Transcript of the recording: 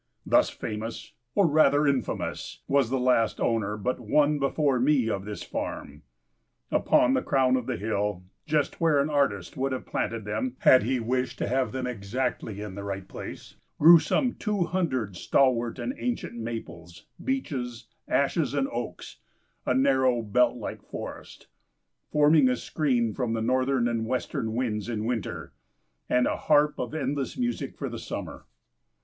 Thus famous, or rather infamous, was the last owner but one, before me, of this farm. Upon the crown of the hill, just where an artist would have planted them, had he wished to have them exactly in the right place, grew some two hundred stalwart and ancient maples, beeches, ashes and oaks, a narrow belt like forest, forming a screen from the northern and western winds in winter, and a harp of endless music for the summer.